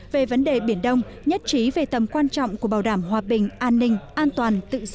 về vấn đề biển đông nhất trí về tầm quan trọng của bảo đảm hòa bình an ninh an toàn tự do